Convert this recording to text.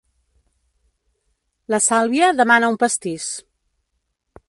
La Sàlvia demana un Pastís.